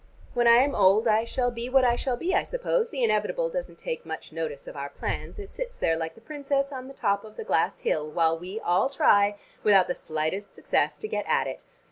When I am old, I shall be what I shall be, I suppose. The inevitable doesn't take much notice of our plans, it sits there like the princess on the top of the glass hill while we all try, without the slightest success, to get at it.